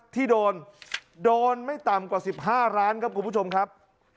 ที่โดนการโดนไม่ต่ำกว่าสิบห้าร้านครับคุณผู้ชมครับ